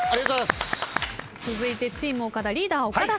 続いてチーム岡田リーダー岡田さん。